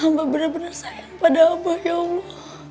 amba benar benar sayang pada abah ya allah